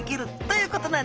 うん。